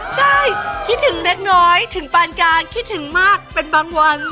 ใช่คิดถึงเล็กน้อยถึงปานการคิดถึงมากเป็นบางวัน